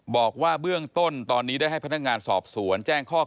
บอกว่าเบื้องต้นตอนนี้ได้ให้พนักงานสอบสวนแจ้งข้อ